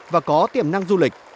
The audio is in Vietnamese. và có tiềm năng du lịch